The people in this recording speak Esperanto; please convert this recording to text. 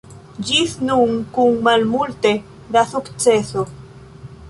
Ĝis nun kun malmulte da sukceso.